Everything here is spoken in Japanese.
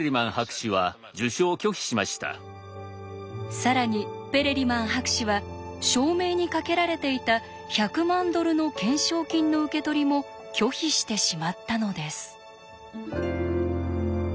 更にペレリマン博士は証明にかけられていた１００万ドルの懸賞金の受け取りも拒否してしまったのです。